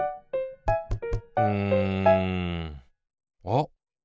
うんあっ！